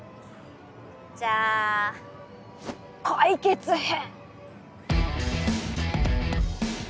じゃあ解決編！